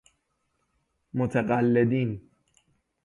متقلدین